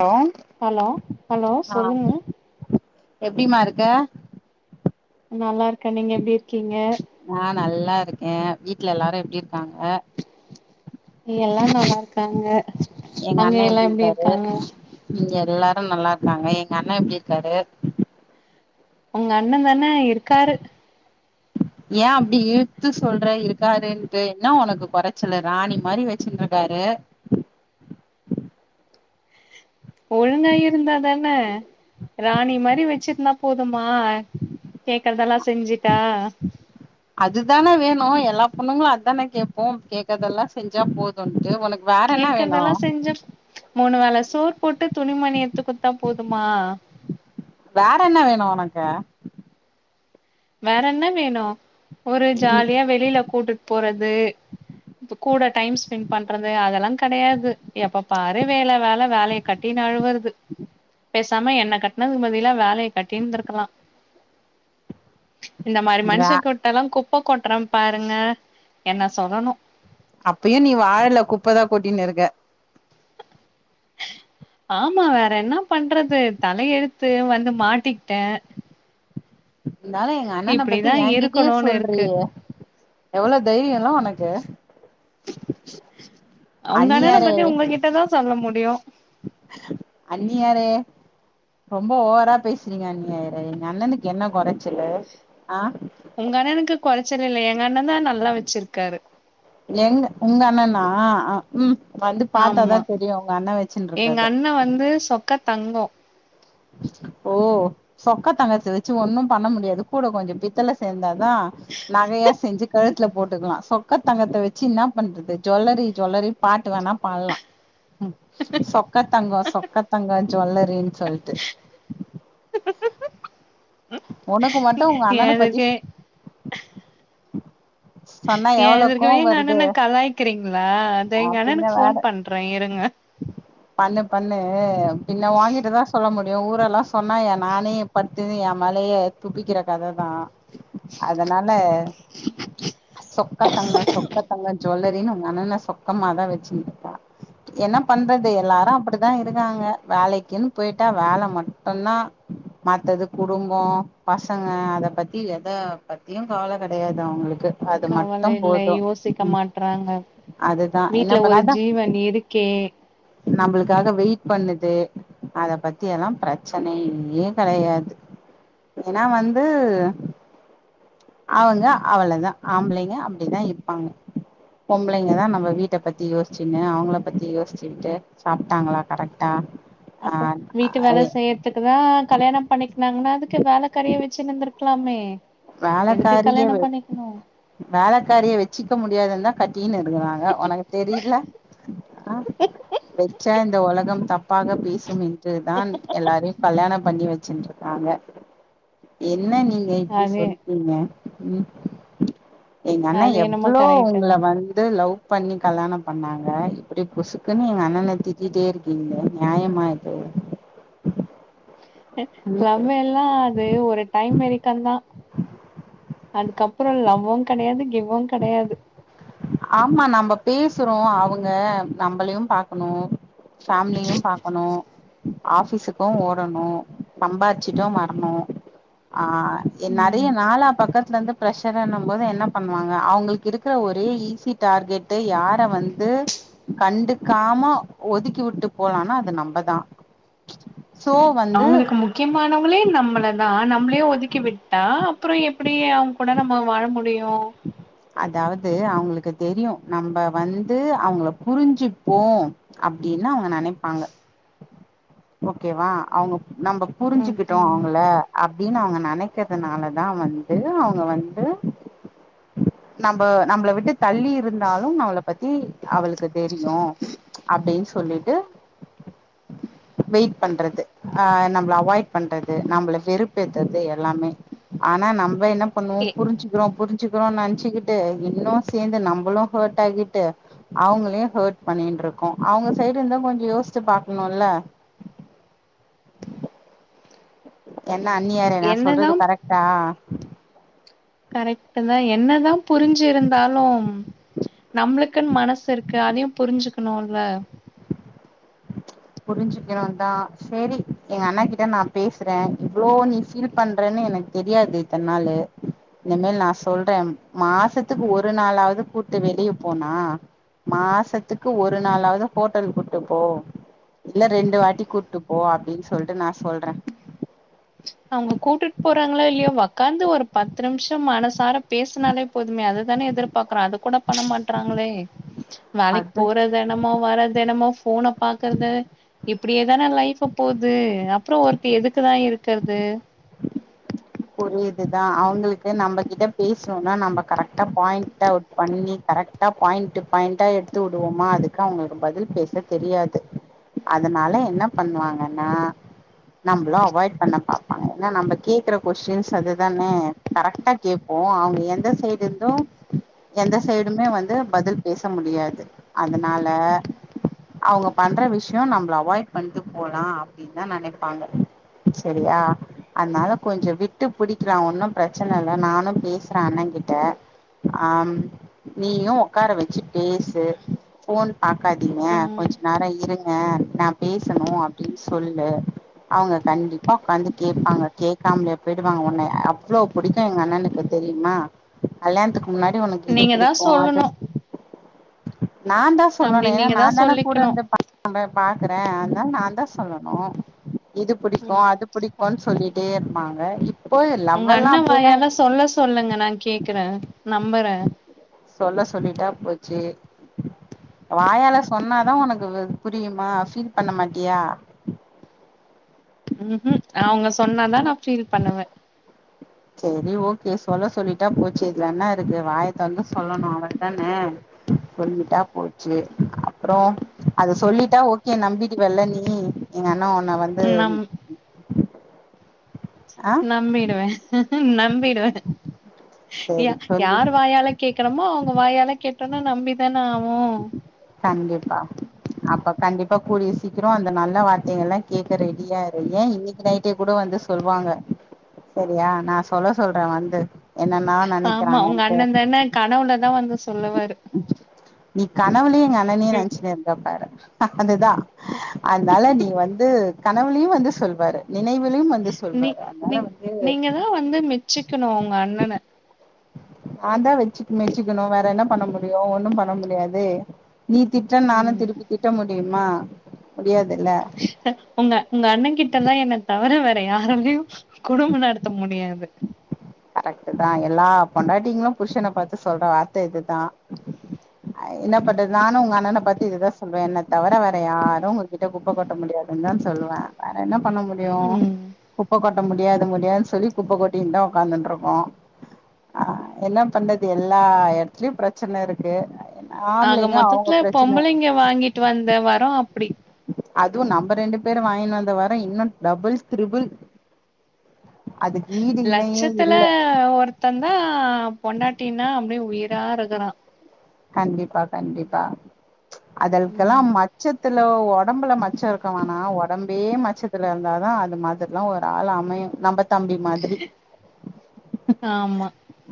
Hello hello hello ஆ சொல்லுங்க எப்டிமா இருக்க நல்லா இருக்கே நீங்க எப்டி இருக்கீங்க நா நல்லா இருக்கே வீட்டுல எல்லாரு எப்டி இருக் இங்க எல்லாரு நல்லா இருக்காங்க எங்க அங்க அண்ண எல்லா எப்டி இருக்காங்க ஆ நல்லா இருக்காங்க எங்க அண்ணா எப்டி இருக்காரு உங்க அண்ண தானே இருக்காரு ஏ அப்டி இழுத்து சொல்ற இருக்காருன்ட்டு என்ன ஒனக்கு குறைச்சலு ராணி மாரி வச்சுன்ட்ருக்காரு ஒழுங்கா இருந்தாதானே ராணி மாரி வச்சிருந்தா போதுமா கேக்கறதெல்லா அதுதானே வேணு எல்லா பொண்ணுங்களு அதானே கேப்போ கேக்கரதெல்லா செஞ்சா போதுன்ட்டு உனக்கு வேற என்ன வேணு கேக்குறதெல்லா செஞ்ச மூணு வேல சோர் போட்டு துணி மனிஎத்துக்குட்த்தா போதுமா வேற என்ன வேணு உனக்கு வேற என்ன வேணு ஒரு நீ ஜாலியா வெளில கூட்டுட்டு போறத் தூ கூட டைம் ஸ்பெண்ட் பண்றது அதெல்லா கெடையாது எப்ப பாரு வேல வேல வேலைய கட்டின்னு அழுவுறது பேசாம என்ன கட்டினதுக்கு பதிலா வேலைய கட்டின்ருக்கலா இந்த மாரி வே மனுஷக்கு கிட்டெல்லா குப்ப குப்ப கொட்றே பாருங்க என்ன சொல்லணு அப்பயு நீ வாழல குப்பையதா கொட்டின்னு இருக்க ஆமா வேற என்ன பண்றது தலைஎழுத்து வந்து மாட்டிக்கிட்டே இருந்தாலு எங்க அண்ணன பத்தி இப்டிதா எ கிட்டயே இருக்கணுனு இருக்கு சொல்றியே எவ்வளோ தைரியோல ஒனக்கு உங்க அண்ணன பத்தி உங்ககிட்டதாசொல்ல முடியு டியு அன்னியாரே ரொம்ப ஓவரா பேசுறீங்க அன்னியாரே எங்க அண்ணனுக்கு என்ன கொறைச்சலு உங்கண்ணனுக்கு குறைச்சல் இல்லயே எங்கண்ண தா நல்லா வச்சிருக்காரு ஆ ஆ உ வந்து பாத்தாதா ஆமா தெரியு உங்க அண்ணா வச்சுன்ட்டு எங்க இருக்கறதா அண்ண வந்து சொக்க தங்கோ ஓ சொக்க தங்கச்சி வச்சு ஒன்னும் பண்ண முடியாது கூட கொஞ்ச பித்தள சேந்தா தா நகையா செஞ்சு கழுத் வீட்ல போட்டுக்கலா சொக்க தங்கத்த வச்சு என்ன பண்றது ஜுவல்லரி ஜுவல்லரி பாட்டு வேணா பாட்லா ம் சொக்க தங்கம் சொக்க தங்கம் ஜுவல்லரின்னு சொல்ட்டு ஓனக்கு மட்டு உங்க அண்ணன எதுக்கு பத்திஸ் பண்ணா எவ்ளோ கோவ எதுர்க்கவே எங்க வருது அண்ணன கலாய்க்கிறீங்களா அதா எங்க அப்டின்ன அண்ணனுக்கு வேற ஃபோன் பண்றே இருங்க பண்ணு பண்ணு பின்ன ஓங்கிட்ட தா சொல்ல மு எ ஊரெல்லா சொன்னா எ நானே இங் பட்டுன்னு ஏ மழையை துப்பிக்கிறக்க கத தா அதனால சொக்கத்தங்க சொக்கத்தங்க ஜுவல்லரின்னு எங்க அண்ணண சொக்கமாதா வச்சிருக்கா என்னப் பண்றது எல்லாரு அப்டிதா இருக்காங்க வேலைக்குன் போயிட்டா வேல மட்டுந்தா மத்ததுக் குடும்போ பசங்க அத பத்தி எத பத்தியு கவல கெடையாது அவுங்களுக்கு அது மட்டு கவல இல்ல போது யோசிக்க மாட்றாங்க அதுதா என்ன வீட்ல பண்ண ஒரு அதா ஜீவன் இருக்கே நம்பளுக்காக வெயிட் பண்ணுதே அத பத்தி எல்லா பிரச்சனையே கெ டையாது ஏனா வந்து அவுங்க அ அவ்ளோ தா ஆம்பளைங்க அப்டிதா இருப்பாங்க பொம்பளைங்கதா நம்ம வீட்ட பத்தி யோசிச்சுன்னு அவுங்கள பத்தி யோசிச்சுட்டு சாப்ட்டாங்களா கரெக்ட்டா அப்போ வீட்டு வேல செய்யறதுக்கு தா கல்யாண பண்ணிக்கனாங் ஏன அதுக்கு வேலகாரியா வெச்சின்னுந்துருக் க்கலாமே வேலக்காரியே வெ வேலக்காரியே வச்சிக்க மு டியாதுன்னா கா ட்டினு இருக்கறாங்க ஓனக்கு தெரியல அ வெச் இந்த இந்த ஓலகம் தப்பாக பேசுமே என்று தான் எல்லாரையு கல்யாண பண்ணி வைச் வெச்சின்ருக்காங்க என் என்ன நீங்க இப்டி சு அது சொல்டீங்க உம் எங்க அண்ண அது என்னமோ எவ்ளோ கரெக்ட் உங்கள தா வந்து லவ் பண்ணி கல்யாணம் பண்ணாங்க இப்டி புசுக்குன்னு எங்க அண்ணண திட்டிட்டே இருக்கீங்கலே நியாயமா இது லவ் எல்லா அது ஒரு டைம் வெரிக்கந்தா அதுக்க அப்புறோ லவ்வு கிடையாது கிவ்வு கிடையாது ஆமா நம்ம பேசுறோ அவுங்க நம்மளையு பாக்கணு ஃபேமிலியயு பாக்கணு ஆபிஸுக்கு ஓடணு சம்பாச்சிட்டு வரணு ஆ எ நெறய ம் நாளா பக்கத்துல இருந்து பிரச் சன என்னும்போது என்ன பண்ணுவாங்க அவுங்களுக்கு இருக்கிற ஒ ரே ஈஸி டார்கெட்டு யார வந்து கண்டுக்காம ஒதுக்கி விட்டு போலானா அது நம்பதா சோ வந்து அவுங்களுக்கு முக்கியமானவங்களே நம்மள தா நம் நம்ளே ஒதுக்கி விட்டா அப்புற எப்டி அவுங்க கூட நம்ம வாழ முடியு அதாவது அவுங்களுக்கு தெரியு நம்ம வந்து அவங்கள புரிஞ்சுப்போ அப்டின்னு அவுங்க நெனப்பாங்க ஓகேவா அவுங்க நம்ப புரிஞ்சிகிட்டோ ஓகே. அவுங்கள அப்டின் அவுங்க நெனக் க்கிறதுனாலதா வந்து அவுங்க வந்து நம்ம நம்மள விட்டு தள்ளி இருந்தாலு நம்ள பத்தி அவளுக்கு தெரியு அப்டின் சொல்லிட்டு வெயிட் பண்றது அ நம்ள அவாய்ட் பண்றது நம்ள வெறுப்பேத்ரது எல்லாமே ஆனா நம்ம என்ன பண்ணுவோ எ புரிஞ்சிகிறோ புரிஞ்சுக்றோ நென் ச்சிகிட்டு இன்னு சேந்து நம்பளு ஹேர்ட் ஆகிட்டு அவங்களயு ஹேர்ட் பண்ணிட்ருக்கோ அவுங்க சைடு இருந்தா கொஞ்ச யோசிச்சு பாக்கணுல என்ன அண்ணியாரே நா என்னதா சொல்றது கரெக்டா கரெக்ட் தா என்னதா புரிஞ்ருந்தாலு நம்ளுக்குன் மனசு இருக்கு அதயு புரிஞ்சுக்ணுல புரிஞ்சிகீரணு தா சேரி எங்க அண்ணா கிட்ட நா பேசுறே இவ்ளோ நீ ஃபீல் பண்றனு எனக்கு தெரியாது இத்தனாலு இனிமேல் நா சொல்றே மாசத்துக்கு ஒரு நாளாவ்து கூப்டு வெளிய போணா மாசத்துக்கு ஒரு நாளவ்து ஹோட்டல் கூட்டு போ இல்ல ரெண்டு வாட்டி கூட்டு போ அப்டின் சொல்ட்டு நா சொல்றே அவுங்க கூட்டுட்டு போறாங்களோ இல்லியோ உக்காது ஒரு பத்து நிமிஷம் மனசார பேசுனாலே போதுமே அதுதானே எதிர்பாக்றோ அது கூட பண்ண மாட்றாங்ளே வேலைக் அது போறது என்னமோ வற்து என்னமோ போன பாக்றது இப்டியேதானே லைஃப் போது அப்ற ஒர்தி எதுகுதா இருக் க்கறது ஒரு இதுதா அவுங்களுக்கு நம்ப கிட்ட பேசுணுனா நம்ம கரெட்டா பாயிண்ட ஒர்க் பண்ணி கரெக்டா பாயிண்ட பாயிண்டா எடுத்து வுடுவோமா அதுக்கு அவுளுக்கு பதில் பேச தெரியாது அதனால என்ன பண்ணுவாங்கனா நம்ள அவாய்ட் பண்ண பாப்பாங்க ஏனா நம்ம கேக்குற கொஸ்டின்ஸ் அதுதான கரெக்டா கேப்போ அவங்க எந்த சைடுருந்து எந்த சைடுமே வந்து பதில் பேச முடியாது அதனால அவங்க பண்ற விஷ்யோ நம்பள அவாய்ட்பண்டு போலா அப்பிடினு தா நெனபாங்க சரியா அன்னால கொஞ்சோ விட்டு புடிகிறா ஒன்னு பிரசன இல்ல நானு பேசுறே அண்ணகிட்ட ஆ நீயு உகார வச்சி பேசு ஃபோன் பாக்காதீங்க ம் கொஞ்சோ நேர இருங்க நா பேசுசணு அப்பிடின் சொல்லு அவங்க கண்டிப்பா உக்காந்து கேட்பாங்க கே காம்லே போய்டுவாங்க உன்னய அவ்ளோபுடிக்கு எங்க அண்ணனுக்கு தெரியுமா கல்யாத்க் முன்னாடி உனக்கு இது நீங்க தா புடிக்கு அத சொல்லணு நா தா சொல்லனு அப்டி ஏனா நீங்க நா தா தான சொல்லிக்கணு கூடர்ந்த் [unintelligible] பாக்குறே இதும் நான் தா சொல்லணு இது புடிக்கு ம் அது புடிக் வா சொல்லிட் தேர்ப்பாங்க உங்க அண்ண வாயால சொல்ல சொல்லுங்க நா கேக்குறே நம்புறே சே வாயால சொன்னாதா உனக்கு புரியுமா ஃபீல் பண்ணமாட்டியா ம் ம் அவங்க சொன்னாதா நா ஃபீல் பண்ணுவே சேரி ஓகே சொல்ல சொல்லிட்டா போச்சி இதுல என்ன இருக்கு வாயதொரந்து சொல்லணு அவதானே சொல்லிட்டா போச்சி அப்புறோ அது ம் சொல்லிட்டா ஓகே நம்பிடுவல்ல நீ ம் எங்க அண்ண ஒன் ன வந்து நம்ம ஆ நம்பிடுவே நம்பிடுவே யா சேரி சொல்லு யார் வாயால கேக்றோமோ அவங்க வாயால கேட்ர்னு நம்பிதான ஆவோ கண்டிப்பா அப்ப கண்டிப்பா கூடிய சீக்கிரோ அந்த நல்ல வார்தகல கேட்ரரெடியாரு ஏ இன்னிகி நைட்டே கூட வந்து சொல்வாங்க சரியா நா சொல்ல சொல்றே வந்து என்னனா ஆமா உங்க நெனக்கிறாங்கன்ட்டு அண்ண தான கனவுலதா வந்து சொல்லுவாரு நீ கனவுலே எங்க அண்ணனே ம் நெனச்சினுருந்த பாரு ஆ அதுதா அதனால நீ வந்த கனவுலையு வந்து சொல்வாரு நினைவுலையு வந்து சொல்வாரு அதனால வந்து ந்து மெச்சிக்கணு உங்க அண்ணன ஆதா வச்சுக் மெச்சுக்கணு வேற என்ன பண்ண முடியு ஒன்னு பண்ண முடியாதே நீ திற்ற நானு திருப்பி திட்ட முடியுமா [unintelligible] ஹ உங்க உங்க அண்ண கிட் ட்டதா என்ன தவர வேற யாராலயு குடும்பம் நடத்த முடியாது கரெக்ட்டுதா எல்லா பொண்டாட்டிங்களு புருஷன பாத்து சொல்ற வார்த்த இதுதா அ என்ன பண்றது நானு உங்க அண்ணன பாத்து இதுதா சொல்வே என்ன தவர வேற யாரு உங்ககிட்ட குப்ப கொட்ட முடியாதுன்னுதா சொல்லுவே வேற என்ன பண்ண முடியு ம் குப்ப கொட்ட முடியாது ட்ட முடியாதுன்னு சொல்லி குப்ப கொட்டிருந்தோ உக்காந்துண்ட்ருக்கோ ஆ என்ன பண்றது எல்லா எடத்துலயு பிரச்சன இருக்கு ஆ என் ஆக மொத்தத்துல பொம்பளைங்க வாங்கிட்டு வந்த வரோ அப்டி அதுவு நம்ப ரெண்டு பேரு வாங்கினு வந்த வரோ இன்னு டபுள் திரிபுள் அது ஈடு இணையே த்துல இல்ல ஒருத்தந்தா பொண்டாட்டின்னா அப்டியே உயிரா இருக்கறா கண்டிப்பா கண்டிப்பா அதற்கெல்லா ம் மச்சத்து ல ஒடம்புல மச்சோ இருக்க வேணா ஒடம்பே மச்சத்துல இருந்தாதா அது மாதிரல்லா ஒரு ஆள் அமையு நம்ப தம்பி மாதிரி ஆமா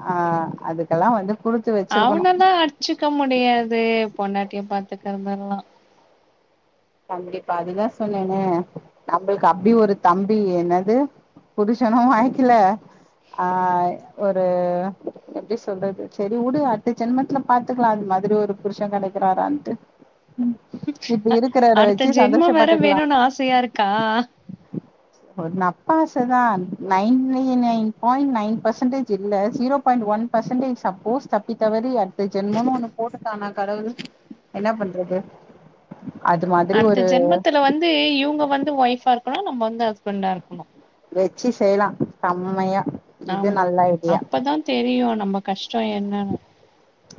ஆ அதுக்கெல்லா வந்து குடுத்து வச்சிருக்கணு ச்சுக்க முடியாது பொண்டாட்டிய பாத்துக்கறதுலல்லா கண்டிப்பா அதுதா சொன்னேனே நம்பளுக்கு அப்டி ஒரு தம்பி என்னது புருஷனு வாக்கில ஆ ஒரு எப்டி சொல்றது சரி உடு அடுத்த ஜன்மத்துல பாத்துக்கலா அது மாதிரி ஒரு புருஷ கெடைக்கிறாரான்ட்டு இப்ப அ இருக்கறவர அடுத்த வச்சு ஜென்மோ வேற சந்தோஷப்பட்டுக்கலா வேணுன்னு ஆசையா இருக்கா ஒரு நப்பாசதா nine nine nine point nine percentage இல்ல zero point one percentage suppose தப்பித் தவறி அடுத்த ஜென்மனு ஒண்ணு போட்டுட்டான்னா கடவுள் என்ன பண்றது அது மாதிரி அடுத்த ஒரு ஜென்மத்துல வந்து இவுங்க வந்து ஒய்ஃபா இரு க்கணு நம்ம வந்து ஹஸ்பண்டா இருக்கணு வெச்சு செய்யலா செம்மையா இது ஆமா நல்ல ஐடியா அப்பதா தெரியு நம்ம கஷ்டோ என்னன்னு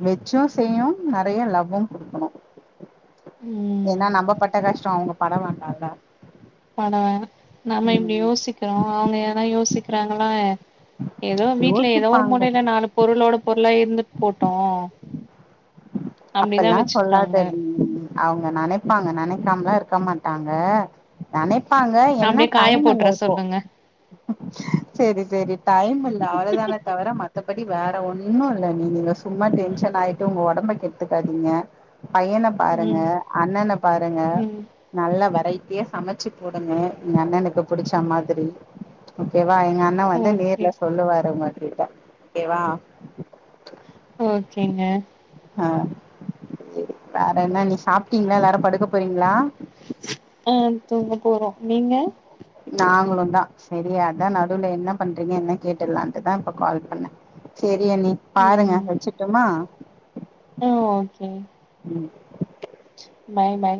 வெச்சு செய்யணு நெறைய லவ்வு குடுக்கணு ம் ஏன்னா நம்ப பட்ட கஷ்டோ அவங்க பட வேண்டா இல்ல வேண்டா வேண்டா நம்ப இப்டி யோசிக்கிறோ அவுங்க ஏதன யோசிக் க்கரங்களா ஏதோ வீட்ல ஏதோ ஒரு யோசிப்பாங்க மூலையல நாலு பொருளோட பொருளா இருந்துட்டு போட்டோ அப்டிதா அப்பெல்லாம் சொல்லாத வச்சுக்கறாங்க க்கமா லா இருக்க மாட்டாங்க நெனைப் ப்பங்க என்ன அப்டியே காய டைம் இல்ல போட்டுற இப்போ சொல்லுங்க செரி செரி டைம் இல்ல அவளதா தவிர மத்தபடி வேற ஒண்ணு இல்ல நீ நீங்க சும்மா டென்ஷன் ஆயிட்டு உங்க ஓடம்ப கெடுத்துக்காதீங்க பையன பாருங்க ம் அண்ணன பாருங்க ம் நல்ல வரை ரூசியா சமைச்சு போடுங்க எங்க அண்ணனுக்கு புடிச்ச மாதிரி ஒகே வ எங்க அண்ண வந்து நேத் ஓகே ல்ல சொல்லுவாரு உங்க ப்பித்த ஓகேவா ஓகேங்க அ சரி வேற என்ன நீ சாப்ட்டீங்களா எல்லாரு படுக்க போறீங்களா ஆ தூங்க போறோ நீங்க நாங்களு தா சரியா அதா நடுவுல என்ன பண்றீங்க என்ன கேட்டுலான்ட்டுதா இப்ப கால் பண்ணே சேரி சரி அண்ணி பாருங்க ம் வச்சுட்டுமா ஆ ம் மை மை